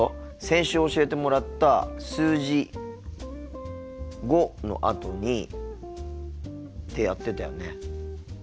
先週教えてもらった数字「５」のあとにってやってたよね。